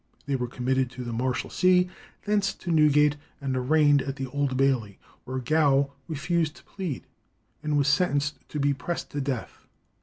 They were committed to the Marshalsea, thence to Newgate, and arraigned at the Old Bailey, where Gow refused to plead, and was sentenced to be pressed to death.